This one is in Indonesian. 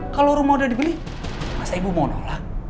kalau rumah udah dibeli masa ibu mau nolak